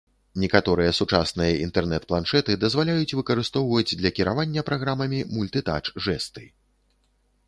Некаторыя сучасныя інтэрнэт-планшэты дазваляюць выкарыстоўваць для кіравання праграмамі мультытач-жэсты.